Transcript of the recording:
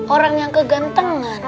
orang yang kegantengan